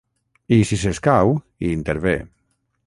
I, si s’escau, hi intervé.